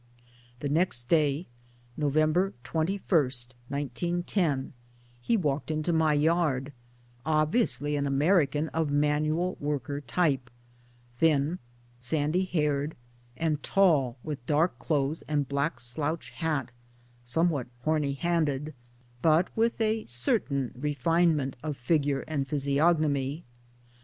The next day, November 21, 1910, he walked into my yard obviously an American of a manual worker type, thin, sandy haired and tall, with dark clothes and black slouch hat, somewhat horny handed, but with a certain refinement of figure and physi ognomy.